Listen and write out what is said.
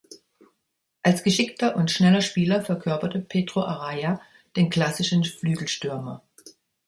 Als geschickter und schneller Spieler verkörperte Pedro Araya den klassischen Flügelstürmer.